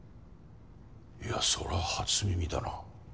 いやそれは初耳だな。